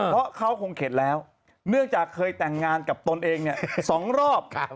เพราะเขาคงเข็ดแล้วเนื่องจากเคยแต่งงานกับตนเอง๒รอบ